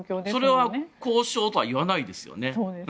それは交渉とは言わないですよね。